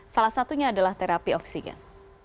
salah satunya adalah terapi oksigen